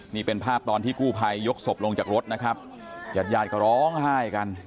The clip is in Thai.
นี่เป็นภาพตอนที่กู้ภัยยกศพลงจากรถนะครับญาติญาติก็ร้องไห้กัน